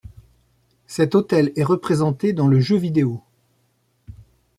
Cet hôtel est représenté dans le jeu vidéo '.